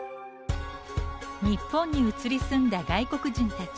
日本に移り住んだ外国人たち。